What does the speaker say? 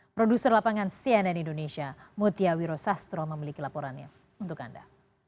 produser lapangan cnn indonesia mutia wiro sastro memiliki laporannya untuk anda